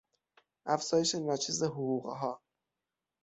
افزایش ناچیز حقوقها